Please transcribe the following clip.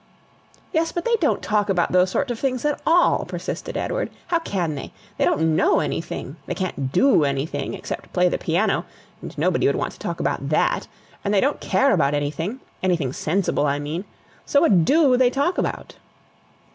"Yes; but they don't talk about those sort of things at all," persisted Edward. "How CAN they? They don't KNOW anything; they can't DO anything except play the piano, and nobody would want to talk about THAT; and they don't care about anything anything sensible, I mean. So what DO they talk about?"